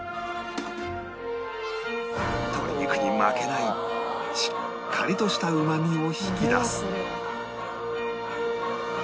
鶏肉に負けないしっかりとしたうまみを引き出す